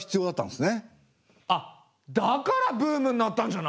あっだからブームになったんじゃない？